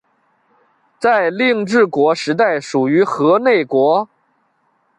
在令制国时代属于河内国。